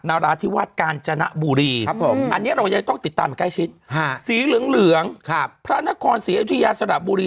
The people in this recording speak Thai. นาราธิวาดกาลจนะบุรีอันนี้เราก็จะต้องติดตามไกล่ชิดสีเหลืองพระนครสีเอิวทิยาสระบุรี